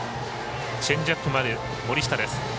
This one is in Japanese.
チェンジアップもある森下です。